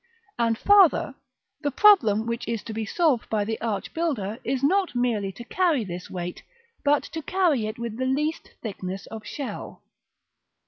And farther, the problem which is to be solved by the arch builder is not merely to carry this weight, but to carry it with the least thickness of shell.